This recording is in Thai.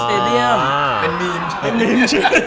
เป็นมีมใช่มั้ย